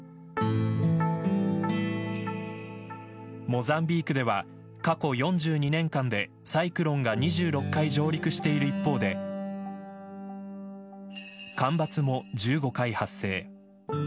モザンビークでは過去４２年間でサイクロンが２６回上陸している一方で干ばつも１５回発生。